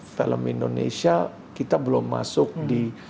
film indonesia kita belum masuk di